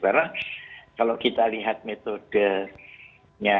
karena kalau kita lihat metodenya